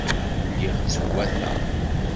Lliɣ ttwateɣ.